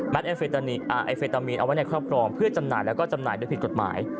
ไอเฟตามีนเอาไว้ในครอบครองเพื่อจำหน่ายแล้วก็จำหน่ายโดยผิดกฎหมาย